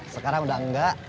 sekarang udah enggak